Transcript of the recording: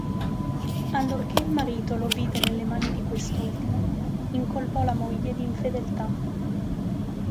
Allorché il marito lo vide nelle mani di quest'ultimo, incolpò la moglie di infedeltà.